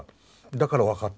だから分かった。